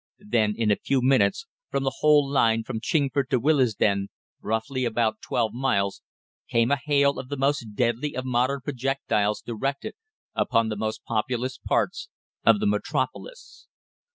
Then in a few minutes, from the whole line from Chingford to Willesden, roughly about twelve miles, came a hail of the most deadly of modern projectiles directed upon the most populous parts of the metropolis.